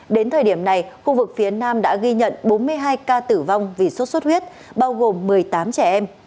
đến thời điểm này khu vực phía nam đã ghi nhận bốn mươi hai ca tử vong vì sốt xuất huyết bao gồm một mươi tám trẻ em